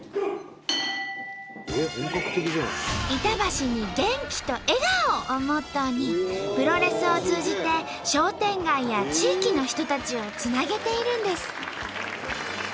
「板橋に元気と笑顔を！」をモットーにプロレスを通じて商店街や地域の人たちをつなげているんです。